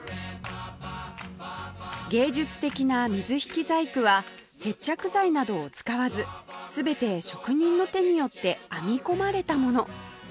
芸術的な水引細工は接着剤などを使わず全て職人の手によって編み込まれたもの